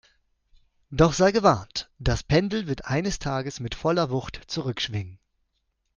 Doch sei gewarnt, das Pendel wird eines Tages mit voller Wucht zurückschwingen!